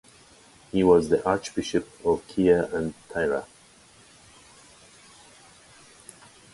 He was the Archbishop of Kea and Thira.